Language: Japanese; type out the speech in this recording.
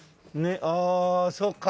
あそうか。